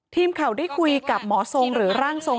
ทีมเขาได้คุยกับหมอโซงหรือร่างโซง